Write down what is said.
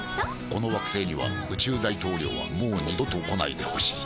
この惑星には宇宙大統領はもう二度と来ないでほしい「ＢＯＳＳ」